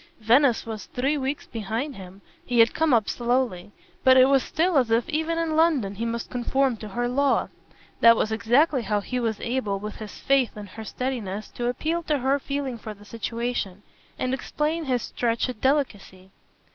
Venice was three weeks behind him he had come up slowly; but it was still as if even in London he must conform to her law. That was exactly how he was able, with his faith in her steadiness, to appeal to her feeling for the situation and explain his stretched delicacy.